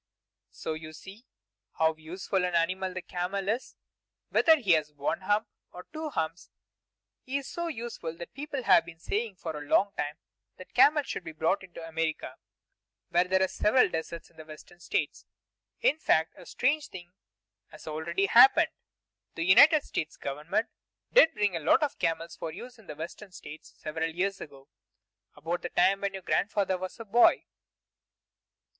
So you see how useful an animal the camel is, whether he has one hump or two humps. He is so useful that people have been saying for a long time that camels should be brought into America, where there are several deserts in the western states. In fact, a strange thing has already happened. The United States Government did bring a lot of camels for use in the western states several years ago, about the time when your grandfather was a boy.